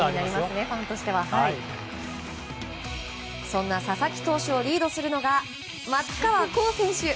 そんな佐々木投手をリードするのが松川虎生選手。